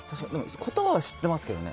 言葉は知ってますけどね。